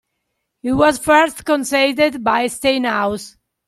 It was first conceived by Steinhaus.